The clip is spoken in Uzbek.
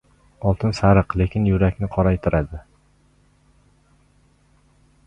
• Oltin — sariq, lekin yurakni qoraytiradi.